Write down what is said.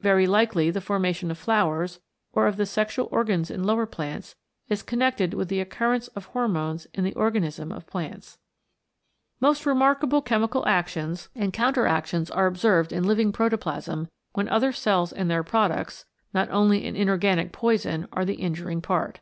Very likely the formation of flowers, or of the sexual organs in lower plants, is con nected with the occurrence of Hormones in the organism of plants. Most remarkable chemical actions and counter 127 CHEMICAL PHENOMENA IN LIFE actions are observed in living protoplasm when other cells and their products, not only an inorganic poison, are the injuring part.